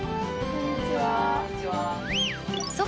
こんにちは。